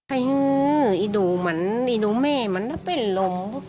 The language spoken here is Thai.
ไอ้ดูเหมือนไอ้ดูแม่เหมือนจะเป็นลม